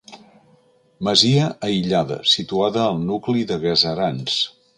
Masia aïllada, situada al nucli de Gaserans.